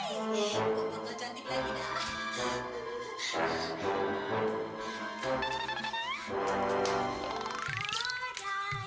gua bakal cantik lagi